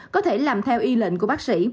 có thể làm theo y lệnh của bác sĩ